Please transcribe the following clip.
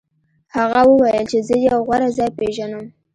خو هغه وویل زه یو غوره ځای پیژنم